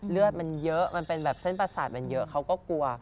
เลือดมันเยอะมันเป็นแบบเส้นประสาทมันเยอะเขาก็กลัว